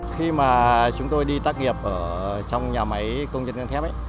khi mà chúng tôi đi tác nghiệp ở trong nhà máy công nhân găng thép